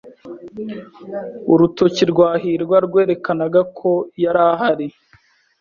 Urutoki rwa hirwa rwerekanaga ko yari ahari.